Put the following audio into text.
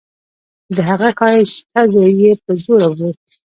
د هغه ښايسته زوى يې په زوره بوت.